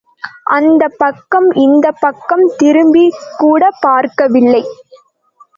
அந்தப் பக்கம் இந்தப்பக்கம் திரும்பிக்கூடப் பார்க்க வில்லை.